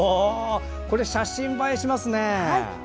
これ、写真映えしますね。